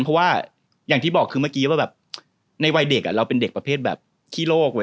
เพราะว่าอย่างที่บอกคือเมื่อกี้ว่าแบบในวัยเด็กเราเป็นเด็กประเภทแบบขี้โลก